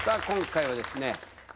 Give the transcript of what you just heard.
今回はですね